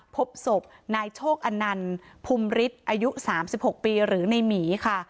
พบศพนายโชคอนันต์ภูมิฤทธิ์อายุ๓๖ปีหรือในหมีค่ะ